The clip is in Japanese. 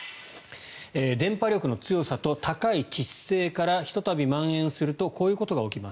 伝播力の強さと高い致死性からひとたびまん延するとこういうことが起きます。